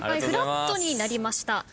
フラットになりました。